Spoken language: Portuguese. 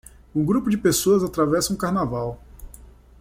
Um grupo de pessoas atravessa um carnaval.